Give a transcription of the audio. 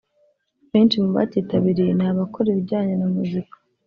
Benshi mu bacyitabiriye ni abakora ibijyanye na muzika